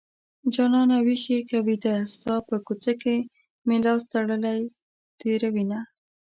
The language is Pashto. جانانه ويښ يې که ويده يې ستا په کوڅه مې لاس تړلی تېروينه